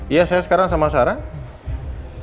iya saya sekarang sama sarah